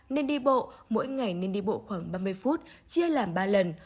nên đi bộ mỗi ngày nên đi bộ khoảng ba mươi phút chia làm ba lần